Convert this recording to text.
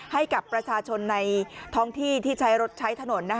ให้กับประชาชนในท้องที่ที่ใช้รถใช้ถนน